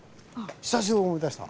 久しぶりに思い出した。